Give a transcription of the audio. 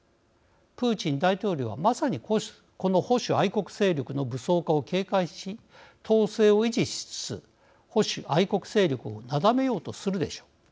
プーチン大統領は、まさにこの保守愛国勢力の武装化を警戒し統制を維持しつつ保守愛国勢力をなだめようとするでしょう。